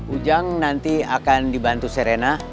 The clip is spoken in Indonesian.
ujang nanti akan dibantu serena